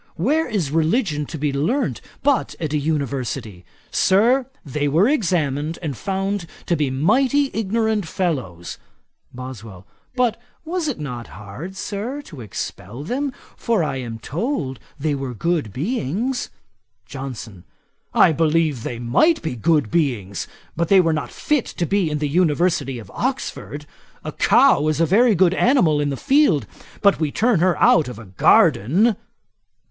Where is religion to be learnt but at an University? Sir, they were examined, and found to be mighty ignorant fellows.' BOSWELL. 'But, was it not hard, Sir, to expel them, for I am told they were good beings?' JOHNSON. 'I believe they might be good beings; but they were not fit to be in the University of Oxford. A cow is a very good animal in the field; but we turn her out of a garden.'